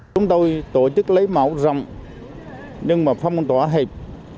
chúng tôi tổ chức lấy mẫu rong nhưng mà phong tỏa hẹp